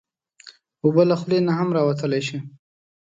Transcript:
اوبه له خولې نه هم راوتلی شي.